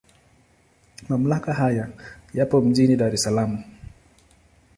Mamlaka haya yapo mjini Dar es Salaam.